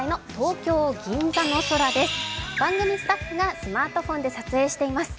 番組スタッフがスマートフォンで撮影しています。